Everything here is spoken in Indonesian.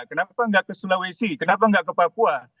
kenapa kok nggak ke sulawesi kenapa nggak ke papua